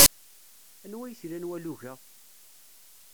Anwa ay t-ilan walug-a?